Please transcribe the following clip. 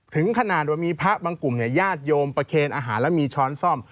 ถึงขนาดว่ามีพระบางกลุ่มเนี่ยญาติโยมประเคนอาหารแล้วมีช้อนซ่อม